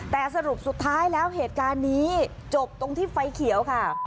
แต่สรุปสุดท้ายแล้วเหตุการณ์นี้จบตรงที่ไฟเขียวค่ะ